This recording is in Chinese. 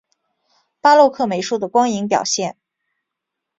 巴洛克美术的光影表现